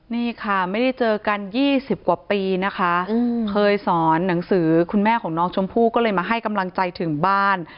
นี่ค่ะไม่ได้เจอกัน๒๐กว่าปีนะคะเคยสอนหนังสือคุณแม่ของน้องชมพู่ก็เลยมาให้กำลังใจถึงบ้าน